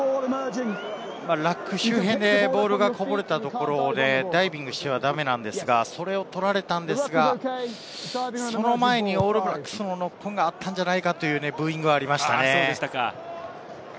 ラック周辺でボールがこぼれたところでダイビングしては駄目なんですが、それを取られたんですが、その前にオールブラックスのノックオンがあったのではないかというブーイングがありましたね。